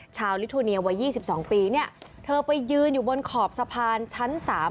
ชาวฤทธุเนียววัยยี่สิบสองปีเนี้ยเธอไปยืนอยู่บนขอบสะพานชั้นสาม